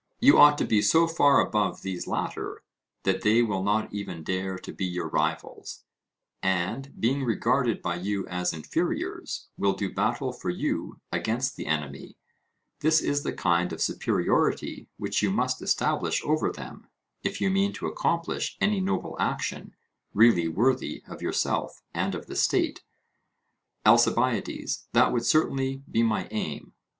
You ought to be so far above these latter, that they will not even dare to be your rivals; and, being regarded by you as inferiors, will do battle for you against the enemy; this is the kind of superiority which you must establish over them, if you mean to accomplish any noble action really worthy of yourself and of the state. ALCIBIADES: That would certainly be my aim.